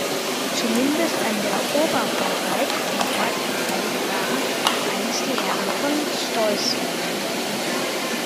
Zumindest an der Oberhoheit für den Ort beteiligt waren einst die Herren von Steußlingen.